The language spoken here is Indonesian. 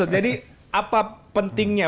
jadi apa pentingnya